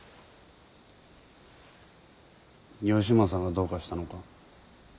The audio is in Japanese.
義正がどうかしたのか？